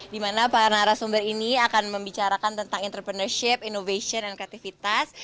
dimana para narasumber ini akan membicarakan tentang entrepreneurship innovation dan kreativitas